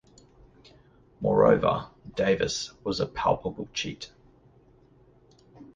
Moreover, Davis was a palpable cheat.